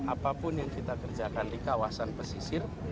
maka apapun yang kita kerjakan di daerah pegunungan di selatan jakarta